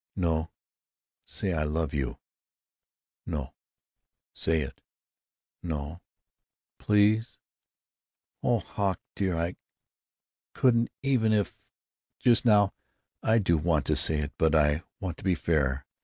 "No. Say, 'I love you."' "No." "Say it." "No." "Please——" "Oh, Hawk dear, I couldn't even if—just now, I do want to say it, but I want to be fair.